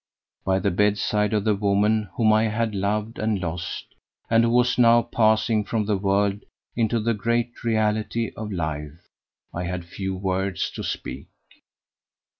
By the bedside of the woman whom I had loved and lost, and who was now passing from the world into the great reality of life, I had few words to speak.